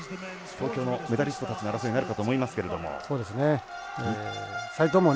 東京のメダリストたちの争いになるかと思いますけれども。